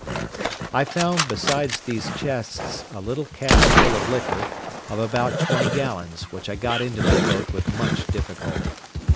I found, besides these chests, a little cask full of liquor, of about twenty gallons, which I got into my boat with much difficulty.